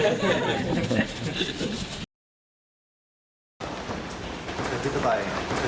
คุณสัตย์พิทับใส